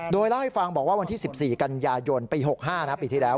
โดยเล่าให้ฟังบอกว่าวันที่๑๔กันยายนปี๖๕นะปีที่แล้ว